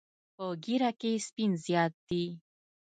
په ږیره کې یې سپین زیات دي.